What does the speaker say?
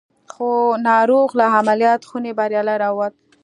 خو ناروغ له عمليات خونې بريالي را ووت.